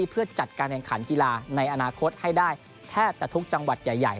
เพื่อจัดการแข่งขันกีฬาในอนาคตให้ได้แทบจะทุกจังหวัดใหญ่